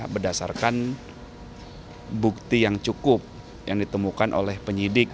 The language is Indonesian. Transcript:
berdasarkan bukti yang cukup yang ditemukan oleh penyidik